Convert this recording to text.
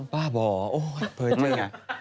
บ้าบ่อโอ้ยเผลอเจ้าไง